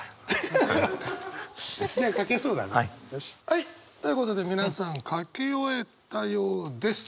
はいということで皆さん書き終えたようです。